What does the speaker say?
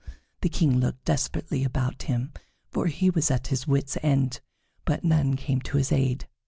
The King looked desperately about him, for he was at his wits' end, but none came to his aid.